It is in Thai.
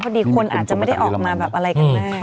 พอดีคนอาจจะไม่ได้ออกมาอะไรแม่